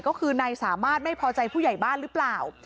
ก็คือนายสามารถไม่พอใจผู้ใหญ่บ้านหรือเปล่า